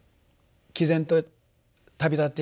きぜんと旅立っていく妹。